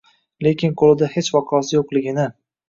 lekin qo'lida hech vaqosi yo'qligini